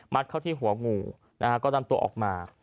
มัดเข้าที่หัวงูก็นำตัวออกมา